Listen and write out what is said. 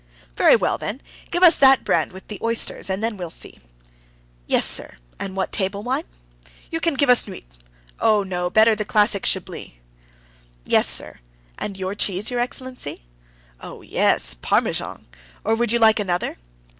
"Very well, then, give us that brand with the oysters, and then we'll see." "Yes, sir. And what table wine?" "You can give us Nuits. Oh, no, better the classic Chablis." "Yes, sir. And your cheese, your excellency?" "Oh, yes, Parmesan. Or would you like another?"